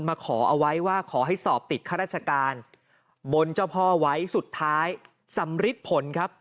มาขอเอาไว้ว่าขอให้สอบติดข้าราชการบนเจ้าพ่อไว้สุดท้ายสำริดผลครับ